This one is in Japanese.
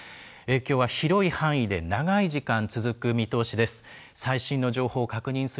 きょうは広い範囲で長い時間続く見通しです。